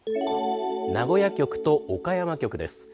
名古屋局と岡山局です。